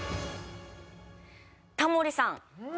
タモリさん